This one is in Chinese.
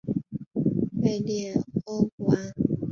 维列欧布安。